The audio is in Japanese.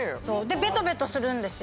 ベトベトするんですよ。